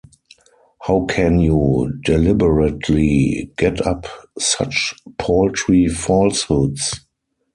How can you deliberately get up such paltry falsehoods?